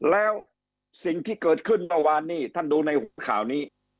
แล้วสิ่งที่เกิดขึ้นเมื่อวานนี้ท่านดูในข่าวนี้